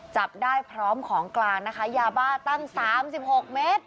จับได้พร้อมของกลางนะคะยาบ้าตั้ง๓๖เมตร